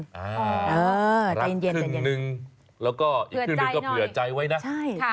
รักครึ่งนึงแล้วก็อีกครึ่งนึงก็เผื่อใจไว้นะ